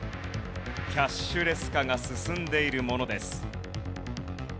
キャッシュレス化が進んでいるものです。